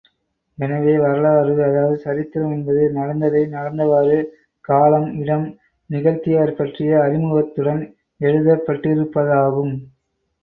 எனவே, வரலாறு அதாவது சரித்திரம் என்பது, நடந்ததை நடந்தவாறு, காலம் இடம் நிகழ்த்தியவர் பற்றிய அறிமுகத்துடன் எழுதப்பட்டிருப்பதாகும்.